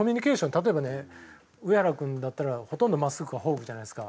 例えばね上原君だったらほとんど真っすぐかフォークじゃないですか。